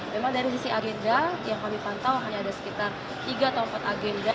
memang dari sisi agenda yang kami pantau hanya ada sekitar tiga atau empat agenda